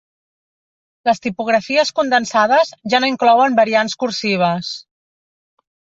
Les tipografies condensades ja no inclouen variants cursives.